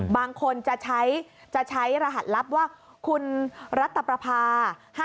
บางคนจะใช้รหัสลับว่าคุณรัฐตรรรพา๕๐๑๕๐๒